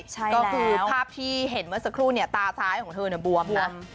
ก็คือภาพที่เห็นเมื่อสักครู่เนี่ยตาซ้ายของเธอบวมนะ